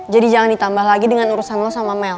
jadi jangan ditambah lagi dengan urusan lo sama mel